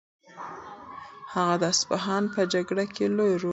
هغه د اصفهان په جګړه کې لوی رول درلود.